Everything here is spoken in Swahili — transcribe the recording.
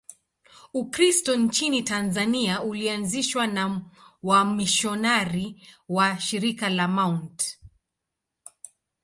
Ukristo nchini Tanzania ulianzishwa na wamisionari wa Shirika la Mt.